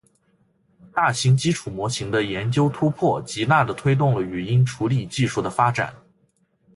大型基础模型的研究突破，极大地推动了语音处理技术的发展。